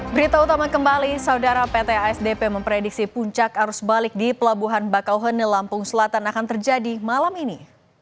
berita utama kembali saudara pt asdp memprediksi puncak arus balik di pelabuhan bakauheni lampung selatan akan terjadi malam ini